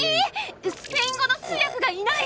スペイン語の通訳がいない！